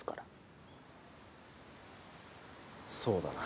そうだな。